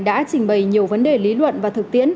đã trình bày nhiều vấn đề lý luận và thực tiễn